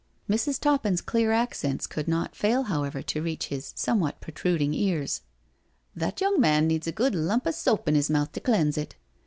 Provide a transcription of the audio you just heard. Mrs. Toppin's clear accents could not fail however to reach his somewhat protruding ears. " That young man needs a good lump of soap in his mouth to cleanse it."